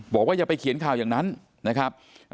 อย่าไปเขียนข่าวอย่างนั้นนะครับ